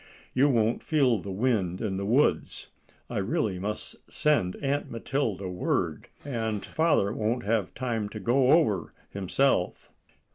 You won't feel the wind in the woods. I really must send Aunt Matilda word, and father won't have time to go over himself."